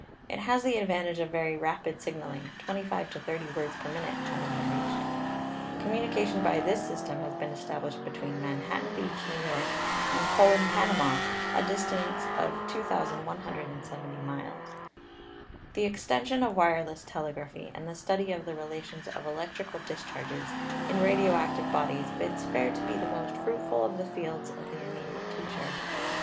It has the advantage of very rapid signaling, 25 to 30 words per minute having been reached. Communication by this system has been established between Manhattan Beach, New York, and Colon, Panama, a distance of 2,170 miles. The extension of wireless telegraphy and the study of the relations of electrical discharges in radio active bodies bids fair to be the most fruitful of the fields of the im mediate future.